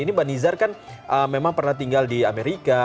ini mbak nizar kan memang pernah tinggal di amerika